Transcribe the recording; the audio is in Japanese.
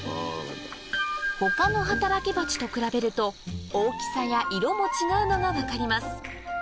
他の働き蜂と比べると大きさや色も違うのが分かります